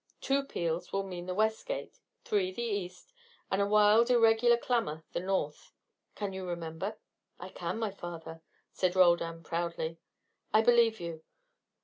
Two peals will mean the west gate, three the east, and a wild irregular clamour the north. Can you remember?" "I can, my father," said Roldan, proudly. "I believe you.